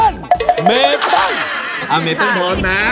น้องเมเปฟิลพอทนะ